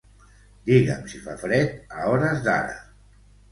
Digue'm si fa fred a hores d'ara.